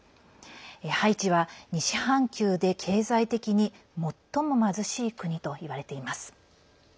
ハイチは、西半球で経済的に最も貧しい国といわれています。